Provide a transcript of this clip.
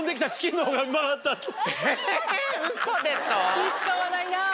気ぃ使わないな。